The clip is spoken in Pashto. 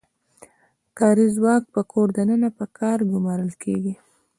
کاري ځواک په کور دننه په کار ګومارل کیږي.